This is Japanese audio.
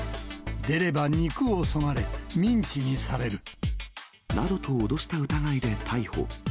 出れば肉をそがれ、ミンチにされる。などと脅した疑いで逮捕。